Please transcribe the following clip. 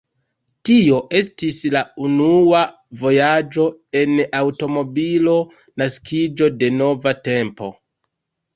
Tio estis la unua vojaĝo en aŭtomobilo, naskiĝo de nova tempo.